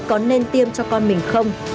còn nên tiêm cho con mình không